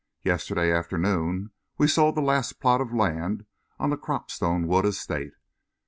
"Yesterday afternoon we sold the last plot of land on the Cropstone Wood Estate."